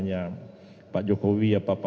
ya kita laksanakan kalau kita sanggup